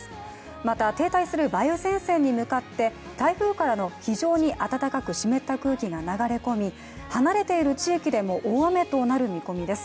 また、停滞する梅雨前線に向かって台風からの非常に暖かく湿った空気が流れ込み離れている地域でも、大雨となる見込みです。